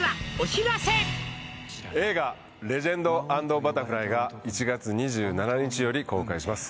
映画「レジェンド＆バタフライ」が１月２７日より公開します